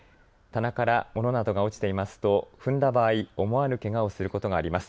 棚から物などが落ちていますと踏んだ場合、思わぬけがをすることがあります。